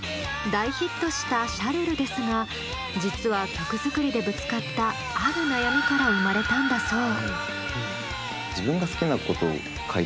大ヒットした「シャルル」ですが実は曲作りでぶつかったある悩みから生まれたんだそう。